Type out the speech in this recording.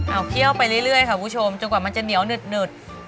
เอาเคี่ยวไปเรื่อยค่ะคุณผู้ชมจนกว่ามันจะเหนียวหนึด